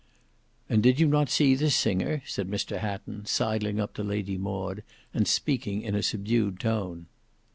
"And you did not see this singer?" said Mr Hatton, sidling up to Lady Maud, and speaking in a subdued tone.